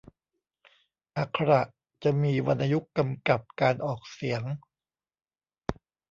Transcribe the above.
อักขระจะมีวรรณยุกต์กำกับการออกเสียง